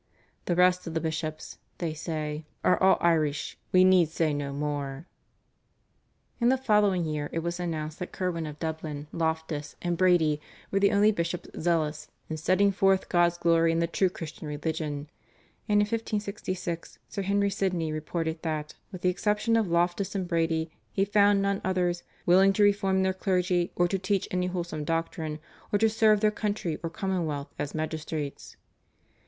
"The rest of the bishops," they say, "are all Irish, we need say no more." In the following year it was announced that Curwen of Dublin, Loftus, and Brady were the only bishops zealous "in setting forth God's glory and the true Christian religion"; and in 1566 Sir Henry Sidney reported that, with the exception of Loftus and Brady, he found none others "willing to reform their clergy, or to teach any wholesome doctrine, or to serve their country or common wealth as magistrates."